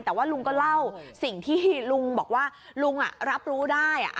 แต่ว่าลุงก็เล่าสิ่งที่ลุงบอกว่าลุงรับรู้ได้